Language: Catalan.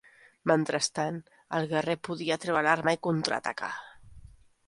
Mentrestant, el guerrer podia treure l'arma i contraatacar.